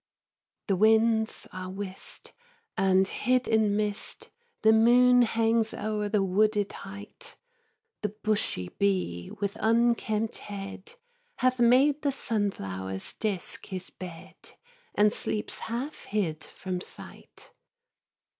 The winds are whist; and, hid in mist, The moon hangs o'er the wooded height; The bushy bee, with unkempt head, Hath made the sunflower's disk his bed, And sleeps half hid from sight.